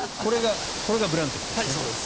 これがブランケットですね。